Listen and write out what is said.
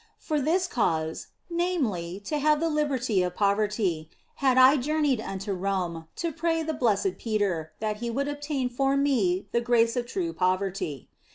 For this cause (namely, to have the liberty of poverty) had I journeyed unto Rome, to pray the Blessed Peter that he would obtain for me the grace of true poverty.